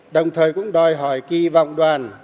đồng thời cũng đòi hỏi kỳ vọng đoàn